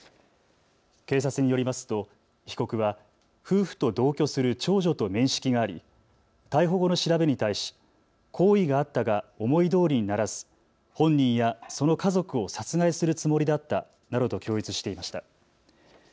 警察によりますと被告は夫婦と同居する長女と面識があり逮捕後の調べに対し好意があったが思いどおりにならず本人やその家族を殺害するつもりだったなどと供述していました。